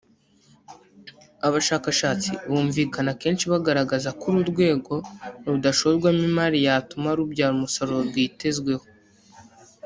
abashakashatsi bumvikana kenshi bagaragaza ko uru rwego rudashorwamo imari yatuma rubyara umusaruro rwitezweho